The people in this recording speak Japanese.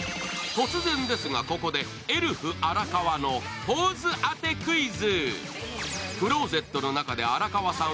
突然ですがここれエルフ荒川のポーズあてクイズ。